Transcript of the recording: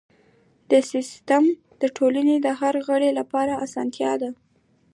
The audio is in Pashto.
دا سیستم د ټولنې د هر غړي لپاره اسانتیا ده.